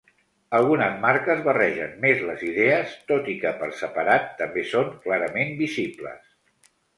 Algunes marques barregen més les idees, tot i que per separat també són clarament visibles.